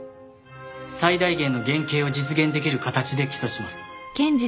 最大限の減刑を実現できる形で起訴します。